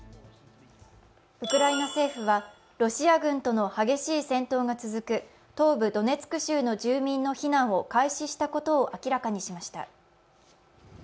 ウクライナ政府はロシア軍との激しい戦闘が続く東部ドネツク州の住民の避難を開始したことを明らかにしました。